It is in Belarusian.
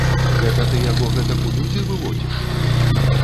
Гэта ты яго гэтак у людзі выводзіш?